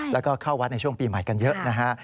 แล้วก็เข้าวัดในช่วงปีใหม่กันเยอะนะฮะ